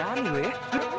berani gue ya